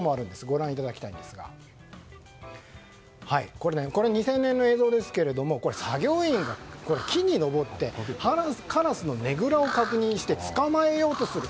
ご覧いただきたいんですがこれ２０００年の映像ですけれども作業員が木に登ってカラスのねぐらを確認して捕まえようとする。